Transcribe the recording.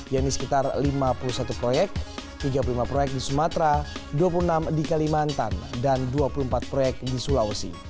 yaitu sekitar lima puluh satu proyek tiga puluh lima proyek di sumatera dua puluh enam di kalimantan dan dua puluh empat proyek di sulawesi